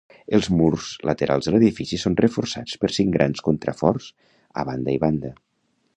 Els murs laterals de l'edifici són reforçats per cinc grans contraforts a banda i banda.